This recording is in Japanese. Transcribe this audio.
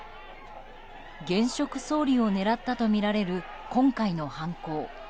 現職総理を狙ったとみられる今回の犯行。